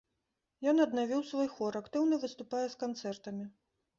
Ён аднавіў свой хор, актыўна выступае з канцэртамі.